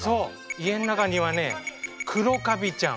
家ん中にはねクロカビちゃん